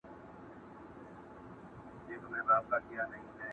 که وچ لرګی ومه وچ پوست او څو نري تارونه.